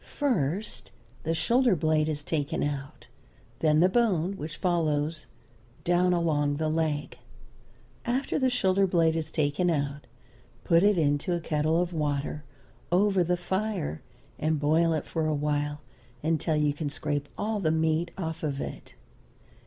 First, the shoulder blade is taken out, then the bone which follows down along the leg. After the shoulder blade is taken out put it into a kettle of water, over the fire, and boil it for awhile until you can scrape all the meat off of it.